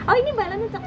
oh ini balam untuk aku